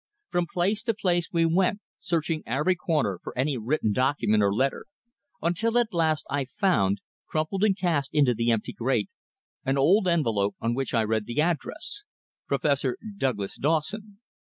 From place to place we went, searching every corner for any written document or letter, until at last I found, crumpled and cast into the empty grate, an old envelope on which I read the address: "Professor Douglas Dawson."